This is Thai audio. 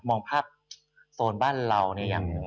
มองภาพโซนบ้านเราเนี่ย